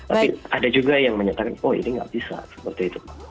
tapi ada juga yang menyatakan oh ini nggak bisa seperti itu